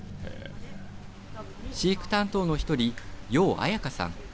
飼育担当の１人、楊彩嘉さん。